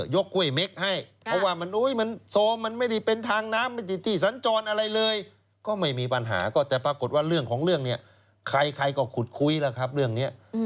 ยกกล้วยเม็กซ์ให้